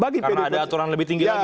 karena ada aturan lebih tinggi lagi